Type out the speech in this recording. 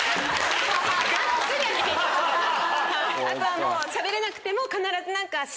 あとはしゃべれなくても必ず。